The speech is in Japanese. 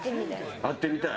会ってみたい？